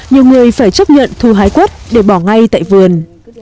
nhiều người phải chấp nhận thu hái quất để bỏ ngay tại vườn